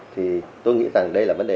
thì tôi nghĩ rằng đây là vấn đề